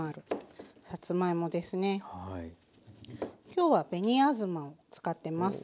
今日は紅あずまを使ってます。